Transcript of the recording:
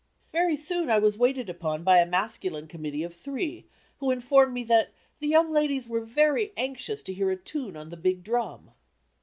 Very soon I was waited upon by a masculine committee of three, who informed me that "the young ladies were very anxious to hear a tune on the big drum."